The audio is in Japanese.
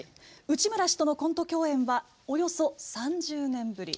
内村氏とのコント共演はおよそ３０年ぶり。